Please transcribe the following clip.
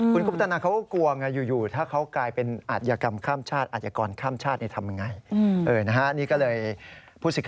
คุณกุปตนันเขากลัวอยู่ว่าถ้าเขากลายเป็นอัจยกรค่ำชาติ